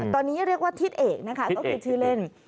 ตอนนี้เรียกว่าทิศเอกนะคะก็คือชื่อเล่น